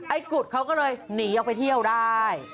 กุดเขาก็เลยหนีออกไปเที่ยวได้